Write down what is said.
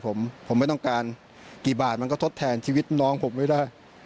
ผมผมไม่ต้องการกี่บาทมันก็ทดแทนชีวิตน้องผมไม่ได้